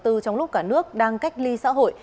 trong lúc cả nước đang cách ly xã hội